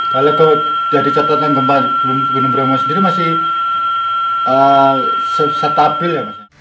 kalau kita catatkan gempa gunung brahma sendiri masih stabil